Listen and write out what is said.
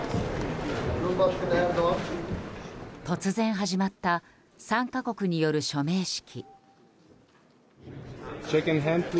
突然始まった３か国による署名式。